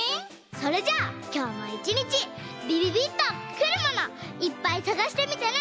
それじゃあきょうもいちにちびびびっとくるものいっぱいさがしてみてね。